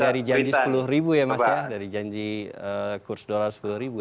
dari janji sepuluh ribu ya mas ya dari janji kurs dolar sepuluh ribu ya